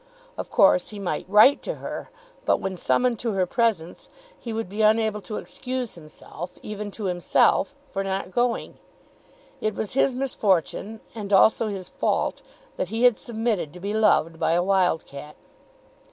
Of course he might write to her; but when summoned to her presence he would be unable to excuse himself, even to himself, for not going. It was his misfortune, and also his fault, that he had submitted to be loved by a wild cat.